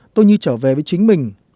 tôi như trở về với chính mình